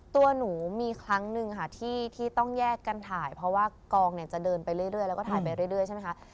ตัวหนูมีครั้งหนึ่งค่ะที่ต้องแยกกันถ่ายเพราะว่ากองเนี่ยจะเดินไปเรื่อยแล้วก็ถ่ายไปเรื่อยใช่ไหมคะ